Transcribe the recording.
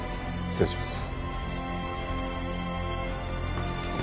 失礼します。